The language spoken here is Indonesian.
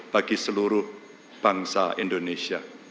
bagi seluruh bangsa indonesia